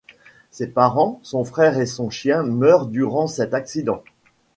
Ses parents, son frère et son chien meurent durant cet accident.